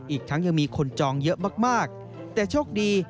อีกทั้งยังมีคนจองเยอะมากแต่โชคดี